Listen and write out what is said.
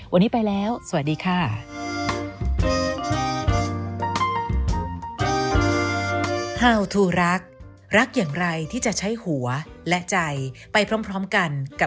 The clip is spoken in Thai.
วันนี้ไปแล้วสวัสดีค่ะ